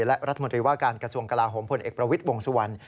และรัฐมนตรีว่าการกระทรวงกลาโหมพลเอกประวิทย์วงสุวรรณ